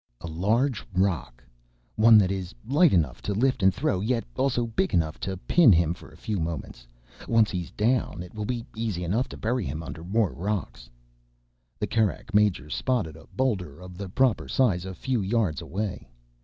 A large rock. One that is light enough to lift and throw, yet also big enough to pin him for a few moments. Once he is down, it will be easy enough to bury him under more rocks. The Kerak major spotted a boulder of the proper size, a few yards away.